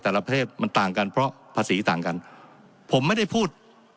ประเทศมันต่างกันเพราะภาษีต่างกันผมไม่ได้พูด